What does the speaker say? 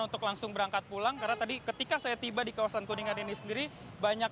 untuk langsung berangkat pulang karena tadi ketika saya tiba di kawasan kuningan ini sendiri banyak